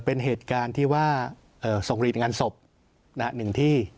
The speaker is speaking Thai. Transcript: เป็นเหตุการณ์ที่ว่าส่งรีดงานศพหนึ่งที่